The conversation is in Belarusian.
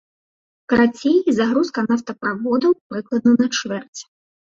Карацей, загрузка нафтаправодаў, прыкладна, на чвэрць.